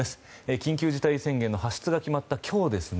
緊急事態宣言の発出が決まった今日